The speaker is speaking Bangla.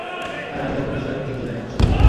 আর আমি তখন ইসলামের তিনজনের একজন।